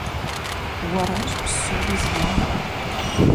Уэращ псори зи ягъэр!